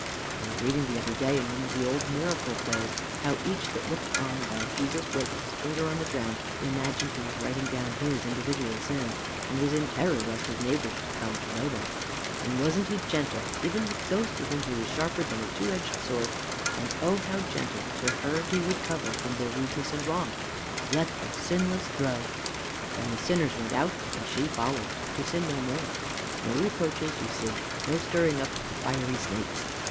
I was reading the other day, in one of the old Miracle Plays, how each that looked on while Jesus wrote with his finger on the ground, imagined he was writing down his individual sins, and was in terror lest his neighbour should come to know them. And wasn't he gentle even with those to whom he was sharper than a two edged sword! and oh how gentle to her he would cover from their rudeness and wrong! LET THE SINLESS THROW! And the sinners went out, and she followed to sin no more. No reproaches, you see! No stirring up of the fiery snakes!